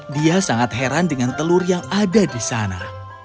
dia sangat heran dengan telur yang ada di sana